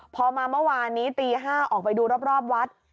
พอมาเมื่อวานนี้ตี๕ออกไปดูรอบวัด